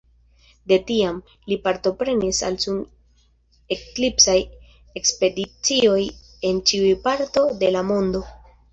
De tiam, li partoprenis al sun-eklipsaj ekspedicioj en ĉiuj parto de la mondo.